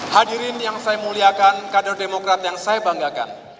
hadirin yang saya muliakan kader demokrat yang saya banggakan